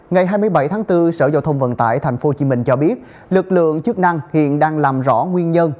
ngày hai mươi bảy tháng bốn sở giao thông vận tải tp hcm cho biết lực lượng chức năng hiện đang làm rõ nguyên nhân